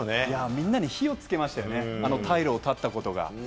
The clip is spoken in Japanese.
みんなに火をつけましたよね、退路を断ったことが。